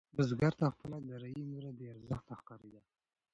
بزګر ته خپله دارايي نوره بې ارزښته ښکارېده.